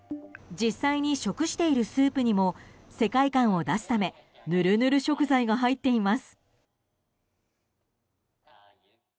実際に食しているスープにも世界観を出すためぬるぬる食材が入っています。